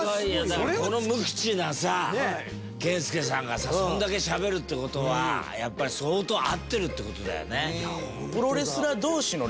だからこの無口なさ健介さんがさそんだけしゃべるって事はやっぱり相当合ってるって事だよね。